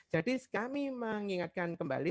jadi kami mengingatkan kembali